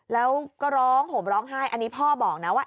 แล้วก็ร้องห่มร้องไห้อันนี้พ่อบอกนะว่า